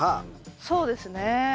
そうですね。